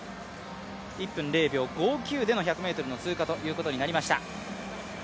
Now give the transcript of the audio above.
１分０秒５９での１００ｍの通過ということになりました。